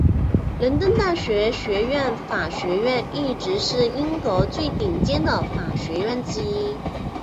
伦敦大学学院法学院一直是英国最顶尖的法学院之一。